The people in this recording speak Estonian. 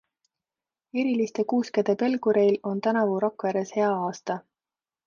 Eriliste kuuskede pelgureil on tänavu Rakveres hea aasta.